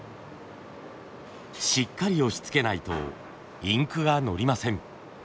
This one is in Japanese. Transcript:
しっかり押しつけないとインクがのりません。